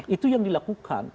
itu yang dilakukan